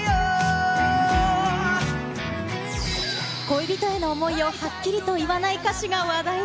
恋人への思いをはっきりと言わない歌詞が話題に。